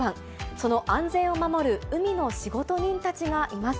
その安全を守る海の仕事人たちがいます。